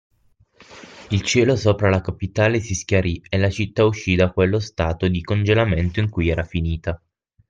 Il cielo sopra la capitale si schiarì e la città uscì da quello stato di congelamento in cui era finita